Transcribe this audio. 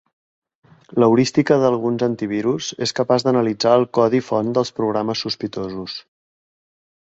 L'heurística d'alguns antivirus és capaç d'analitzar el codi font dels programes sospitosos.